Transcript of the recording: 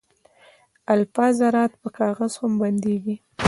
د الفا ذرات په کاغذ هم بندېږي.